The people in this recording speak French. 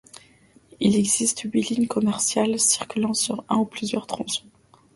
Il existe huit lignes commerciales, circulant sur un ou plusieurs tronçons.